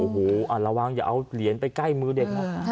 โฮระวังอย่าเอาเหรียญไปใกล้มือเด็ก